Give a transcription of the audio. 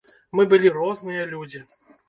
Мы былі розныя людзі.